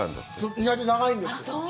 意外と長いんですよ。